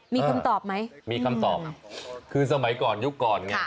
มีคำตอบไหมมีคำตอบคือสมัยก่อนยุคก่อนไง